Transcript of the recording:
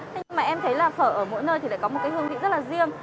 nhưng mà em thấy là phở ở mỗi nơi thì lại có một hương vị rất là riêng